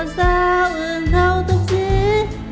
สาวเงินเท่าทุกสี